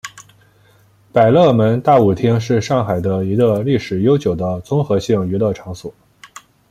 百乐门大舞厅是上海的一个历史悠久的综合性娱乐场所。